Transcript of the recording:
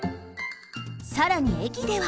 さらにえきでは。